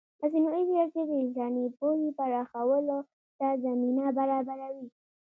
مصنوعي ځیرکتیا د انساني پوهې پراخولو ته زمینه برابروي.